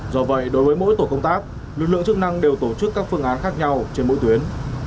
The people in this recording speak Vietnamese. do vậy đối với mỗi tổ công tác lực lượng chức năng đều tổ chức các phương án khác nhau trên mỗi tuyến